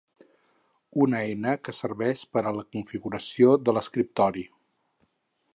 Una eina que serveix per a la configuració de l'escriptori.